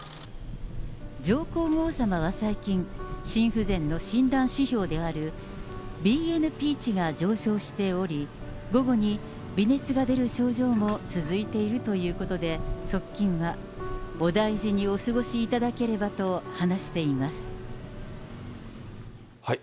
上皇后さまは最近、心不全の診断指標であるＢＮＰ値が上昇しており、午後に微熱が出る症状も続いているということで、側近は、お大事にお過ごしいただければと話しています。